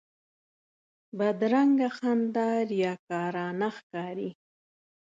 بدرنګه خندا ریاکارانه ښکاري